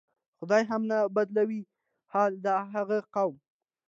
"خدای هم نه بدلوي حال د هغه قوم".